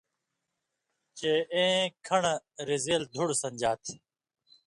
چے اېں (کھن٘ڑہ) رِزیلیۡ دُھڑہۡ سن٘دژا تھہ۔